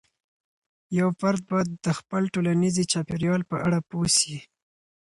یو فرد باید د خپل ټولنيزې چاپیریال په اړه پوه سي.